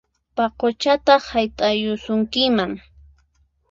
Paquchataq hayt'ayusunkiman!